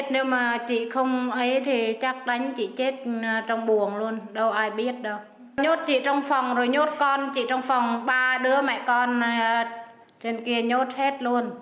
nhốt chị trong phòng rồi nhốt con chị trong phòng ba đứa mẹ con trên kia nhốt hết luôn